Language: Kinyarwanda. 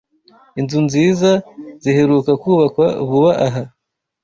Inzu nziza ziheruka kubakwa vuba aha